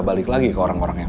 saya sih gak kemana mana